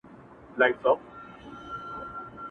چي زړه به کله در سړیږی د اسمان وطنه -